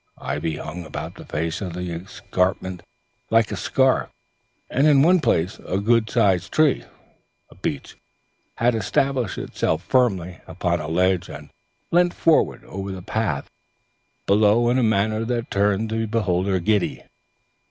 Ivy hung about the face of the escarpment like a scarf, and in one place a good sized tree, a beech, had established itself firmly upon a ledge and leant forward over the path below in a manner that turned the beholder giddy.